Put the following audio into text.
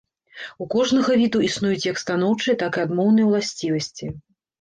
У кожнага віду існуюць як станоўчыя, так і адмоўныя ўласцівасці.